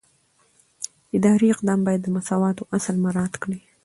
اداري اقدام باید د مساوات اصل مراعات کړي.